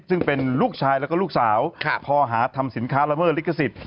ซึ่งเป็นลูกชายแล้วก็ลูกสาวพอหาทำสินค้าละเมิดลิขสิทธิ